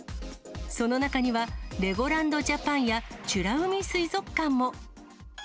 その中には、レゴランド・ジャパンや美ら海水族館も。